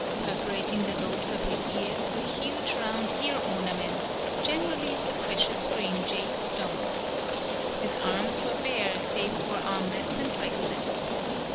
Perforating the lobes of his ears were huge round ear ornaments, generally of the precious green jade stone. His arms were bare save for armlets and bracelets.